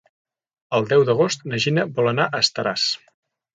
El deu d'agost na Gina vol anar a Estaràs.